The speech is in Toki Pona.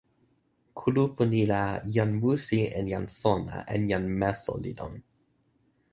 kulupu ni la, jan musi en jan sona en jan meso li lon.